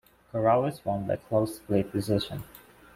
Corrales won by close split decision.